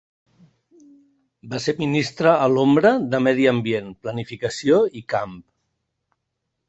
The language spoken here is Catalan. Va ser ministra a l'ombra de Medi Ambient, Planificació i Camp.